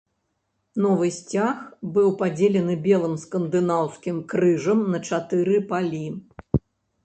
Новы сцяг быў падзелены белым скандынаўскім крыжам на чатыры палі.